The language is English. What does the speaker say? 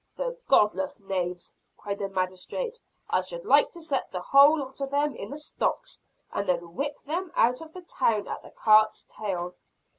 "The godless knaves!" cried the magistrate. "I should like to set the whole lot of them in the stocks, and then whip them out of the town at the cart's tail."